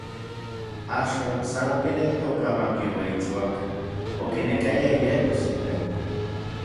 Axan san okinektoka makiueyichiuakan, okinekiaya yetos inTeko.